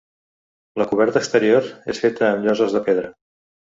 La coberta exterior és feta amb lloses de pedra.